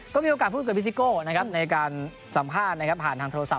ก็มีโอกาสพูดกับพี่ซิโก้นะครับในการสัมภาษณ์นะครับผ่านทางโทรศัพ